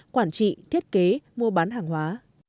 quản trị thiết kế mua bán hàng hóa